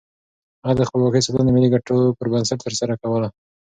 هغه د خپلواکۍ ساتنه د ملي ګټو پر بنسټ ترسره کوله.